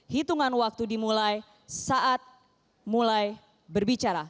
hitungan waktu dimulai saat mulai berbicara